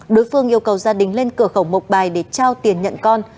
đối phương yêu cầu gia đình lên cửa khẩu mộc bài để trao tiền nhận con